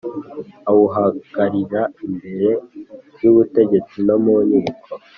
Awuhagararira imbere y ubutegetsi no mu nkiko